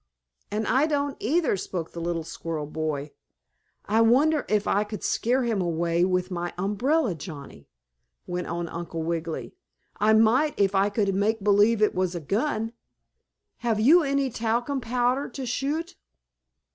"And I don't either," spoke the little squirrel boy. "I wonder if I could scare him away with my umbrella, Johnnie?" went on Uncle Wiggily. "I might if I could make believe it was a gun. Have you any talcum powder to shoot?"